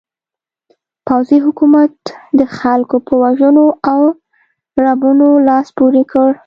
پوځي حکومت د خلکو پر وژنو او ربړونو لاس پورې کړ.